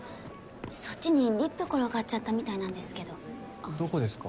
そっちにリップ転がっちゃったみたいなんですけどどこですか？